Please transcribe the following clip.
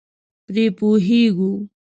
پرې پوهېږو.